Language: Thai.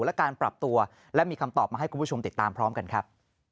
และการปรับตัวและมีคำตอบมาให้คุณผู้ชมติดตามพร้อมกันครับ